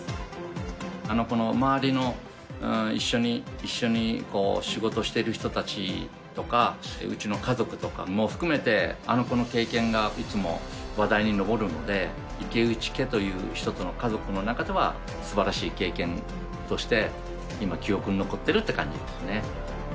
あの子の周りの一緒に仕事してる人たちとか、うちの家族とかも含めて、あの子の経験がいつも話題に上るので、池内家という一つの家族の中ではすばらしい経験として、今、記憶に残ってるって感じですね。